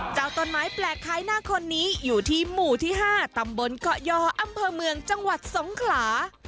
เจ้าต้นไม้แปลกคล้ายหน้าคนนี้อยู่ที่หมู่ที่๕ตำบลเกาะยออำเภอเมืองจังหวัดสงขลา